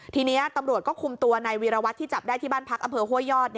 ทีนี้ตำรวจก็คุมตัวนายวีรวัตรที่จับได้ที่บ้านพักอำเภอห้วยยอด